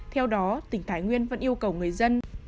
theo đó tỉnh thái nguyên vẫn yêu cầu người dân